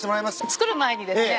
作る前にですね